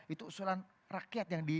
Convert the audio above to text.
itu usulan rakyat